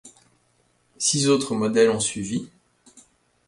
Six autres modèles ont suivi.